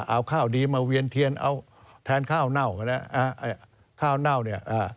เอาข้าวดีมาเวียนเทียนเอาแทนข้าวเน่ากันแล้วข้าวเน่าเนี่ย